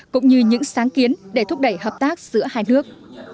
cũng như những sáng kiến để thúc đẩy hợp tác giữa hai nước